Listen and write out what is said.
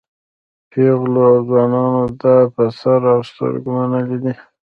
پېغلو او ځوانانو دا په سر او سترګو منلی دی.